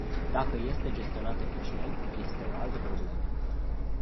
Dacă este gestionat eficient, este o altă problemă.